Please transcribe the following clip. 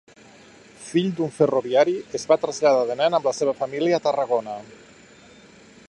Fill d'un ferroviari, es va traslladar de nen amb la seva família a Tarragona.